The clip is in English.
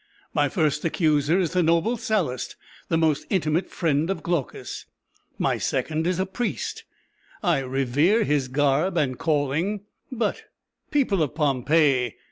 My first accuser is the noble Sallust the most intimate friend of Glaucus! My second is a priest: I revere his garb and calling but, people of Pompeii!